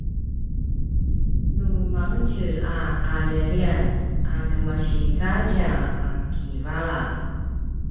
nu mangetjez a qalialian a kemasi cadja a kivala